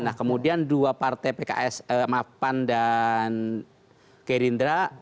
nah kemudian dua partai pks pan dan gai rindra